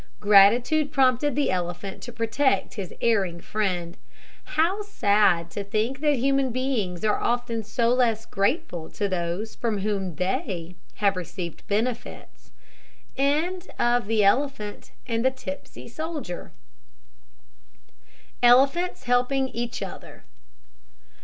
Gratitude prompted the elephant to protect his erring friend. How sad to think that human beings are so often less grateful to those from whom they have received benefits! ELEPHANTS HELPING EACH OTHER.